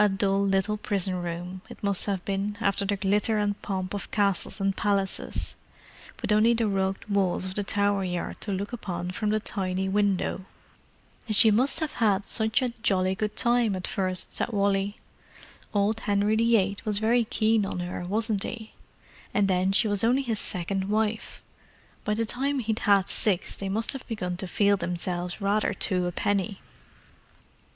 A dull little prison room, it must have been, after the glitter and pomp of castles and palaces—with only the rugged walls of the Tower Yard to look upon from the tiny window. "And she must have had such a jolly good time at first," said Wally. "Old Henry VIII was very keen on her, wasn't he? And then she was only his second wife—by the time he'd had six they must have begun to feel themselves rather two a penny!"